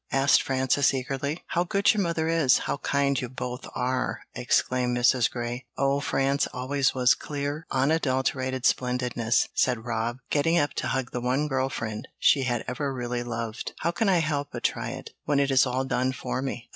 asked Frances, eagerly. "How good your mother is; how kind you both are!" exclaimed Mrs. Grey. "Oh, France always was clear, unadulterated splendidness," said Rob, getting up to hug the one girl friend she had ever really loved. "How can I help but try it, when it is all done for me?